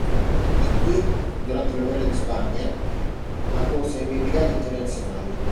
Di qui, durante la guerra di Spagna, accorse nelle Brigate internazionali.